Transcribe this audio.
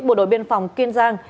bộ đội biên phòng kiên giang